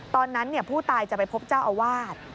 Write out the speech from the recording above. ตอนนั้นผู้ตายจะไปพบเจ้าอาวาส